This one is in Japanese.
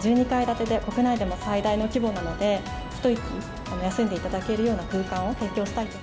１２階建てで国内でも最大の規模なので、一息休んでいただけるような空間を提供したいと。